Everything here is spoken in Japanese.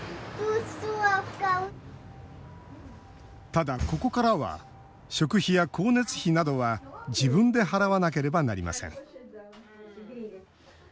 ただ、ここからは食費や光熱費などは自分で払わなければなりません。